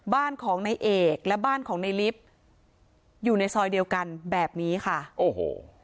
บ้านของในเอกและบ้านของในลิฟต์อยู่ในซอยเดียวกันแบบนี้ค่ะโอ้โห